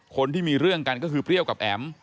คนที่มีเรื่องกันก็คือเปรี้ยวกับแอ๋ม